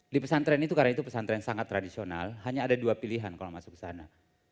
di pesantren itu karena itu pesantren sangat tradisional hanya ada dua pilihan kalau masuk ke sana